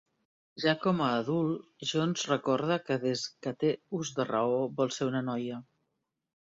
Ja com a adult, Jones recorda que des que té ús de raó vol ser una noia.